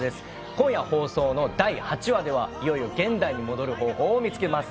今夜放送の第８話ではいよいよ現代に戻る方法を放送します。